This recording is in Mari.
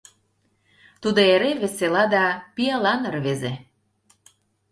Тудо эре весела да пиалан рвезе.